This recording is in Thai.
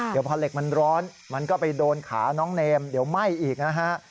เดี๋ยวพอเหล็กมันร้อนมันก็ไปโดนขาน้องเนมเดี๋ยวไหม้อีกนะฮะ